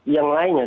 yang lain ya